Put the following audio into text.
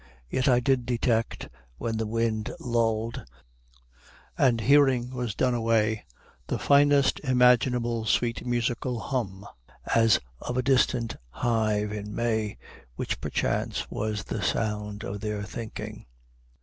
Yet I did detect, when the wind lulled and hearing was done away, the finest imaginable sweet musical hum, as of a distant hive in May, which perchance was the sound of their thinking.